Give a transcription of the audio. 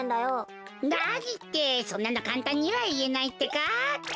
なにってそんなのカンタンにはいえないってか。